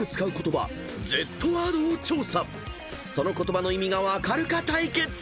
［その言葉の意味が分かるか対決！］